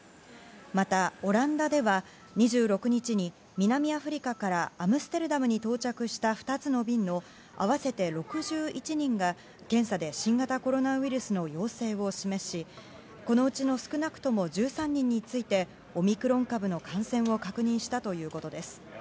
また、オランダでは２６日に南アフリカからアムステルダムに到着した２つの便の合わせて６１人が検査で新型コロナウイルスの陽性を示しこのうちの少なくとも１３人についてオミクロン株の感染を確認したということです。